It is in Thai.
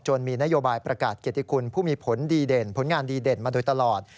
มีนโยบายประกาศเกียรติคุณผู้มีผลดีเด่นผลงานดีเด่นมาโดยตลอด